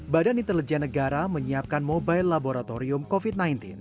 badan intelijen negara menyiapkan mobile laboratorium covid sembilan belas